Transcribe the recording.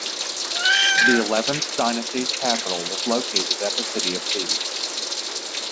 The Eleventh Dynasty's capital was located at the city of Thebes.